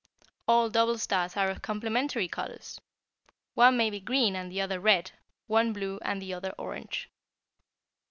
All double stars are of complementary colors. One may be green and the other red, one blue and the other orange.